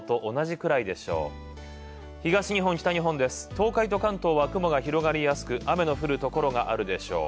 東海と関東は雲が広がりやすく、雨の降る所があるでしょう。